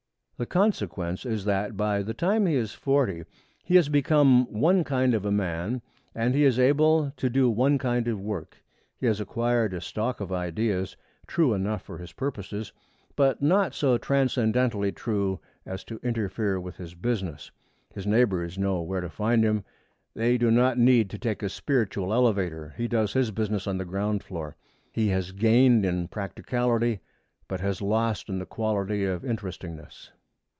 The consequence is that, by the time he is forty, he has become one kind of a man, and is able to do one kind of work. He has acquired a stock of ideas true enough for his purposes, but not so transcendentally true as to interfere with his business. His neighbors know where to find him, and they do not need to take a spiritual elevator. He does business on the ground floor. He has gained in practicality, but has lost in the quality of interestingness.